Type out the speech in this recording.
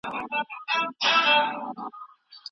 که تاسو ډیوډرنټ ونه کاروئ، بدبوی پیدا کېدی شي.